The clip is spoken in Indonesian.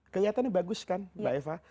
kelihatannya bagus kan mbak eva